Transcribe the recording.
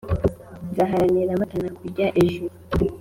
nzaharanira mpatana kujya ejuru